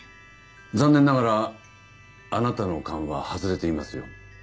残念ながらあなたの勘は外れていますよ。